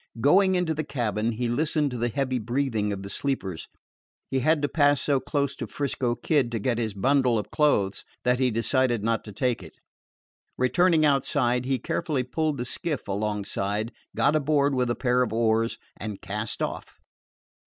Going into the cabin, he listened to the heavy breathing of the sleepers. He had to pass so close to 'Frisco Kid to get his bundle of clothes that he decided not to take it. Returning outside, he carefully pulled the skiff alongside, got aboard with a pair of oars, and cast off.